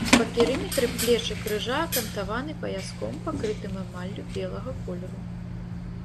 Па перыметры плечы крыжа акантаваны паяском, пакрытым эмаллю белага колеру.